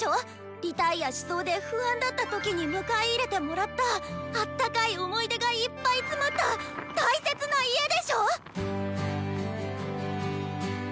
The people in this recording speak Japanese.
リタイアしそうで不安だった時に迎え入れてもらったあったかい思い出がいっぱい詰まった大切な家でしょ